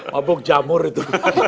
mabuk jamur gitu